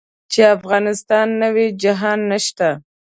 چې افغانستان نه وي جهان نشته.